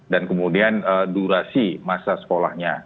dan kemudian durasi masa sekolahnya